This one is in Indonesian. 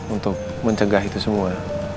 untuk mencegah itu semua